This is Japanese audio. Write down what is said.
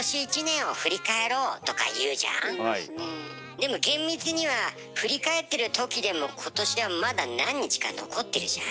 でも厳密には振り返ってるときでも今年はまだ何日か残ってるじゃん。